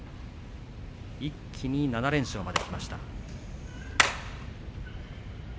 一気に７連勝まできました。